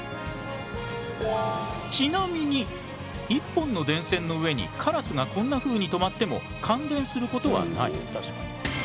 ちなみに一本の電線の上にカラスがこんなふうに留まっても感電することはない。